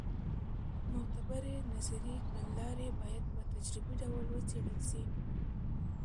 معتبرې نظري کړنلارې باید په تجربي ډول وڅېړل سي.